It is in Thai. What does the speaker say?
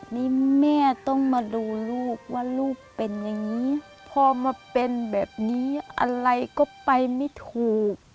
นี่แม่ต้องมาดูลูกว่าลูกเป็นอย่างนี้พอมาเป็นแบบนี้อะไรก็ไปไม่ถูก